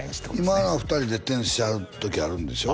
今は２人でテニスしはる時あるんでしょ？